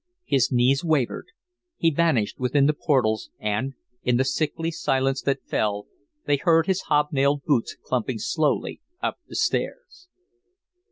His knees wavered. He vanished within the portals and, in the sickly silence that fell, they heard his hob nailed boots clumping slowly up the stairs.